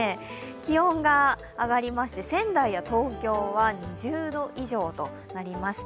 気温が上がりまして、仙台や東京は２０度以上となりました。